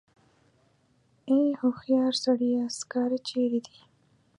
ای هوښیار سړیه سکاره چېرې دي.